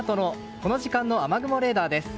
この時間の雨雲レーダーです。